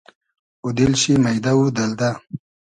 اوو دیل شی مݷدۂ و دئلدۂ